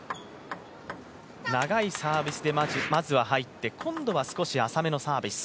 長いサービスでまずは入って今度は少し浅めのサービス。